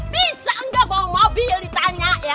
bisa nggak bawa mobil ditanya ya